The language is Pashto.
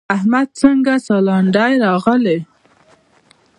احمده څنګه سالنډی راغلې؟!